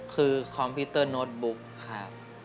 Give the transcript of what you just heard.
คือคอมพิวเตอร์โน้ตบุ๊กครับ